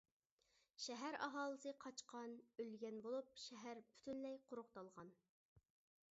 شەھەر ئاھالىسى قاچقان، ئۆلگەن بولۇپ، شەھەر پۈتۈنلەي قۇرۇقدالغان.